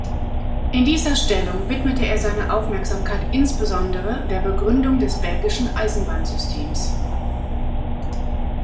In dieser Stellung widmete er seine Aufmerksamkeit insbesondere der Begründung des belgischen Eisenbahnsystems.